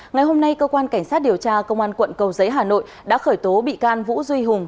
ngày hôm nay cơ quan cảnh sát điều tra công an quận cầu giấy hà nội đã khởi tố bị can vũ duy hùng